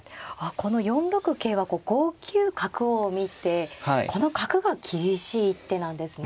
この４六桂は５九角を見てこの角が厳しい一手なんですね。